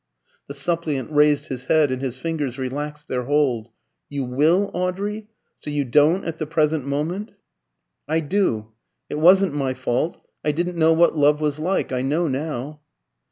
The suppliant raised his head, and his fingers relaxed their hold. "You will, Audrey? So you don't at the present moment?" "I do. It wasn't my fault. I didn't know what love was like. I know now."